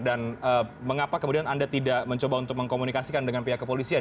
dan mengapa kemudian anda tidak mencoba untuk mengkomunikasikan dengan pihak kepolisian